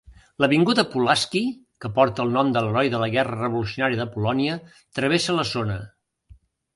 L'avinguda Pulaski, que porta el nom de l'heroi de la Guerra Revolucionària de Polònia, travessa la zona.